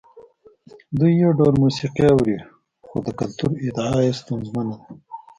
دوی یو ډول موسیقي اوري خو د کلتور ادعا یې ستونزمنه ده.